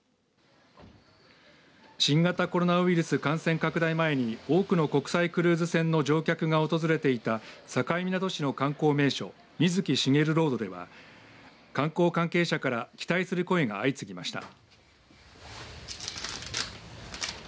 新型コロナウイルス感染拡大前に多くの国際クルーズ船の乗客が訪れていた境港市の観光名所水木しげるロードでは観光関係者から期待する声が相次ぎました。